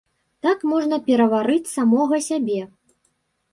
Так можна пераварыць самога сябе.